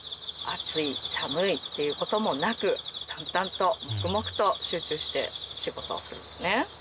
「暑い」「寒い」って言うこともなく淡々と黙々と集中して仕事をするのね。